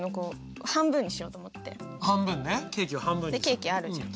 ケーキあるじゃん。